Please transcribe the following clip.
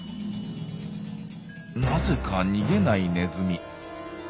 なぜか逃げないネズミ。